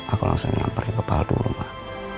aku langsung nyamperin kepala dulu mak